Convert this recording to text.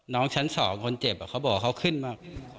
น้องชั้นสองคนเจ็บอะเขาบอกเขาขึ้นมา